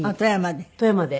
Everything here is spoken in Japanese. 富山で。